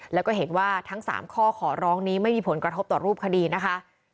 แล้วก็เห็นว่าทั้ง๓ข้อขอร้องนี้ไม่มีผลกระทบต่อรูปคดีนะคะ